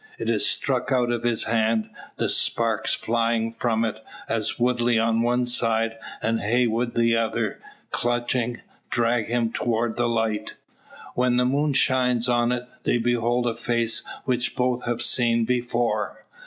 It is struck out of his hand, the sparks flying from it, as Woodley on one side and Heywood the other, clutching, drag him toward the light. When the moon shines on it, they behold a face which both have seen before.